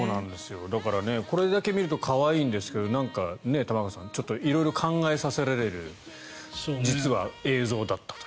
だから、これだけ見ると可愛いんですけど玉川さん実は色々考えさせられる映像だったと。